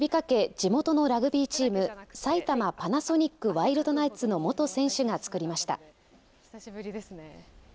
地元のラグビーチーム、埼玉パナソニックワイルドナイツの元選手が作りました。